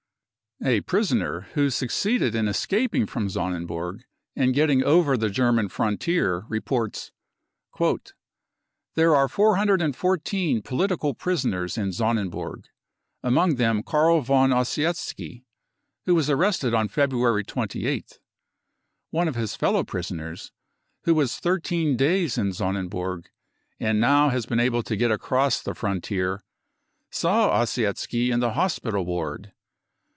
A prisoner who succeeded in escaping from Sonnenburg and getting over the German frontier reports :" There are 414 political prisoners in Sonnenburg, among them Carl von Ossietzky, who was arrested on February 28th. One of his fellow prisoners, who was thir teen days in Sonnenburg and now has been able to get across the frontier, saw Ossietzky in the hospital ward.